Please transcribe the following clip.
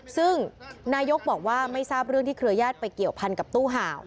ซึ่งนายกบอกว่าไม่ทราบเรื่องที่เครือญาติไปเกี่ยวพันกับตู้ห่าว